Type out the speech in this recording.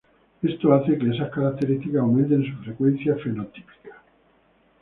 Esto hace que esas características aumenten su frecuencia fenotípica.